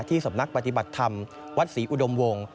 สำนักปฏิบัติธรรมวัดศรีอุดมวง